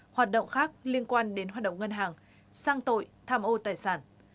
hoạt động khác liên quan đến hoạt động ngân hàng sang tội tham ô tài sản